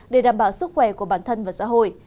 để đảm bảo sức khỏe của bản thân và xã hội